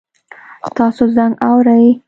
تاسو زنګ اورئ؟